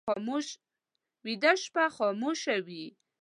ویده شپه خاموشه وي